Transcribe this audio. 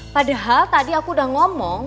padahal tadi aku udah ngomong